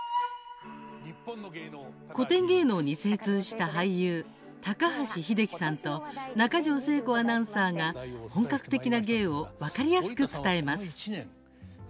古典芸能に精通した俳優高橋英樹さんと中條誠子アナウンサーが本格的な芸を分かりやすく伝えます。